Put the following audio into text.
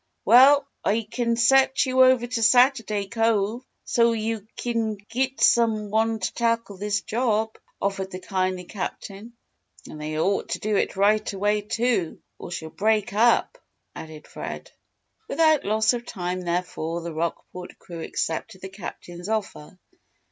"Well, I kin set you over to Sat'aday Cove so's you kin git some one to tackle this job," offered the kindly Captain. "And they ought to do it right away, too, or she'll break up," added Fred. Without loss of time, therefore, the Rockport crew accepted the Captain's offer.